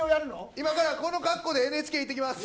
今からこの格好でＮＨＫいってきます。